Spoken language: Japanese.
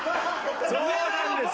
そうなんです。